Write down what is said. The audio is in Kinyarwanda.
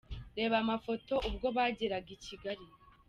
Reba amafoto ubwo bageraga i Kigali:.